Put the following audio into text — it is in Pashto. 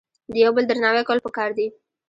د یو بل درناوی کول په کار دي